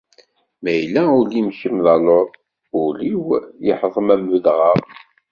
Ma yella ul-im kemm d aluḍ, ul-iw yeḥḍem am udɣaɣ.